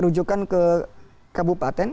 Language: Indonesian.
kerujukan ke kabupaten